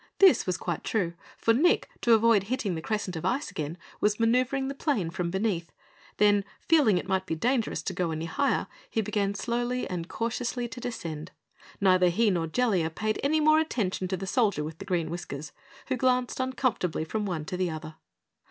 This was quite true, for Nick, to avoid hitting the crescent of ice again, was maneuvering the plane from beneath; then, feeling it might be dangerous to go any higher, he began slowly and cautiously to descend. Neither he nor Jellia paid any more attention to the Soldier with Green Whiskers, who glanced uncomfortably from one to the other.